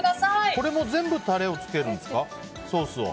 これも全部タレをつけるんですか。